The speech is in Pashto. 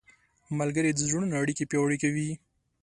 ملګري د زړونو اړیکې پیاوړې کوي.